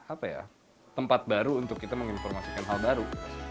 apa ya tempat baru untuk kita menginformasikan hal baru